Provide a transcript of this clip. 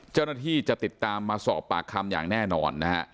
เจ้าหน้าที่จะติดตามมาสอบปากคำอย่างแน่นอนนะฮะ